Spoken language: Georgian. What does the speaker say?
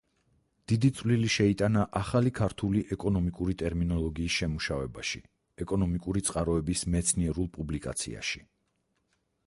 დიდი წვლილი შეიტანა ახალი ქართული ეკონომიკური ტერმინოლოგიის შემუშავებაში, ეკონომიკური წყაროების მეცნიერულ პუბლიკაციაში.